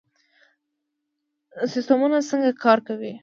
سیستمونه څنګه کار کوي؟